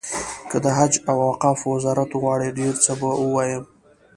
که د حج او اوقافو وزارت وغواړي ډېر څه به ووایم.